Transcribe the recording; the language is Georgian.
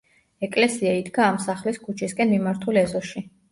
ეკლესია იდგა ამ სახლის ქუჩისკენ მიმართულ ეზოში.